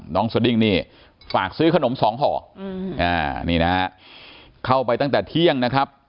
สดิ้งนี่ฝากซื้อขนมสองห่อนี่นะฮะเข้าไปตั้งแต่เที่ยงนะครับ